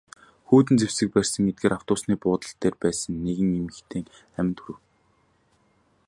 Хүйтэн зэвсэг барьсан этгээд автобусны буудал дээр байсан нэгэн эмэгтэйн аминд хүрэв.